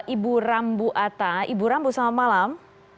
ibu rambu ata ibu rambu selamat malam